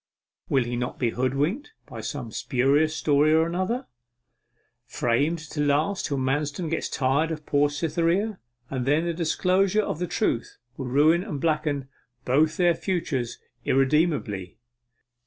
Will he not be hoodwinked by some specious story or another, framed to last till Manston gets tired of poor Cytherea? And then the disclosure of the truth will ruin and blacken both their futures irremediably.